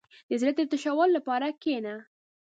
• د زړۀ د تشولو لپاره کښېنه.